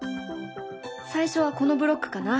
最初はこのブロックかな。